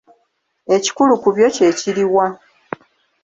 Ekikulu ku byo kye kiriwa?